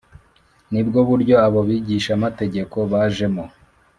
nibwo buryo abo bigishamategeko bajemo